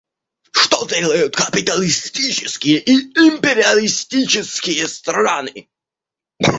Что делают капиталистические и империалистические страны?